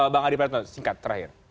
bang adi praetno singkat terakhir